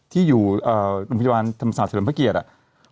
ที่อยู่โรงพยาบาลธรรมศาสตร์เฉลิมพระเกียรติอะ